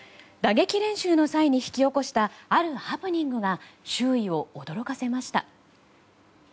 打撃練習の際に引き起こしたあるハプニングが周囲を驚かせました。